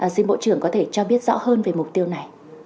xin bộ trưởng có thể cho biết rõ hơn về mục tiêu này